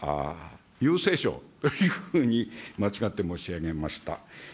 郵政省というふうに間違って申し上げました。